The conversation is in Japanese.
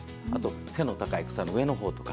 あと背の高い草の上の方とか。